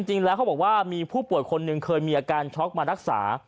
จริงแล้วเขาบอกว่ามีผู้ป่วยคนหนึ่งเคยมีอาการช็อกมารักษา